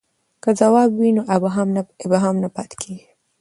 که ځواب وي نو ابهام نه پاتیږي.